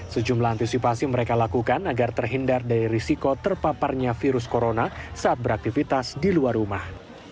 sejumlah antisipasi mereka lakukan agar terhindar dari risiko terpaparnya virus corona saat beraktivitas di luar rumah